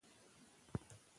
برانډ پیاوړی شوی دی.